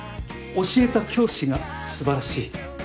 教えた教師が素晴らしい。